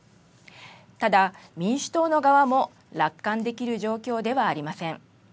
ただ、民主党の側も楽観できる状況ではありません。